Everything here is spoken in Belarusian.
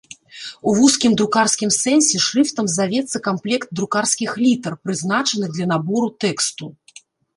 У вузкім друкарскім сэнсе шрыфтам завецца камплект друкарскіх літар, прызначаных для набору тэксту.